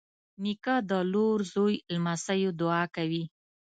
نیکه د لور، زوی، لمسيو دعا کوي.